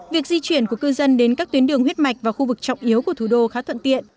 việc di chuyển của cư dân đến các tuyến đường huyết mạch và khu vực trọng yếu của thủ đô khá thuận tiện